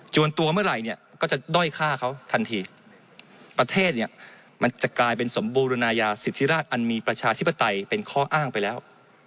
วนตัวเมื่อไหร่เนี่ยก็จะด้อยฆ่าเขาทันทีประเทศเนี่ยมันจะกลายเป็นสมบูรณายาสิทธิราชอันมีประชาธิปไตยเป็นข้ออ้างไปแล้ว